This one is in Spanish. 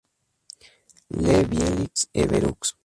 Le Vieil-Évreux